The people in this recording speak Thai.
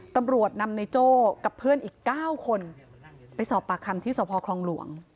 ตำรวจนำในโจ้กับเพื่อนอีก๙คนไปสอบปากคำที่สพคลองหลวง